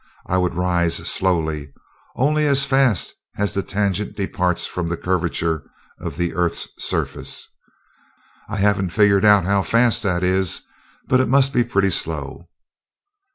I would rise slowly only as fast as the tangent departs from the curvature of the earth's surface. I haven't figured out how fast that is, but it must be pretty slow."